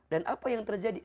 dan apa yang terjadi